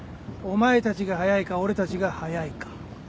お前たちが速いか俺たちが速いか。